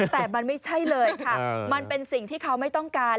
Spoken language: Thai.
แต่มันไม่ใช่เลยค่ะมันเป็นสิ่งที่เขาไม่ต้องการ